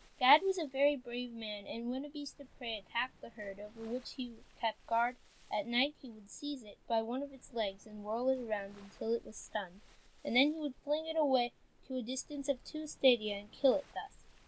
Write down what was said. Gad was a very brave man, and when a beast of prey attacked the herd, over which he kept guard at night, he would seize it by one of its legs, and whirl it around until it was stunned, and then he would fling it away to a distance of two stadia, and kill it thus.